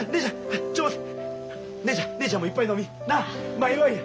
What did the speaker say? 前祝いや。